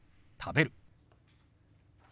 「食べる」。